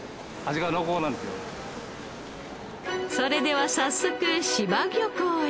それでは早速柴漁港へ。